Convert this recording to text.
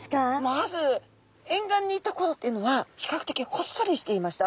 まず沿岸にいた頃っていうのは比較的ほっそりしていました。